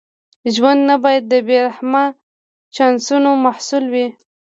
ژوند نه باید د بې رحمه چانسونو محصول وي.